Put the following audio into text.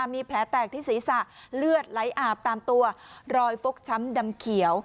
มีแผลแตกที่ศีรษะเลือดไหลอาบตามตัวรอยฟกช้ำดำเขียว